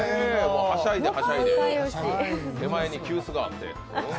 はしゃいではしゃいで、手前に急須があって。